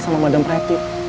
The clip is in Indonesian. sama madam preti